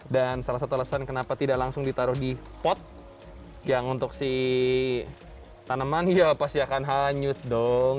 dan salah satu alasan kenapa tidak langsung ditaruh di pot yang untuk si tanaman ya pasti akan hanyut dong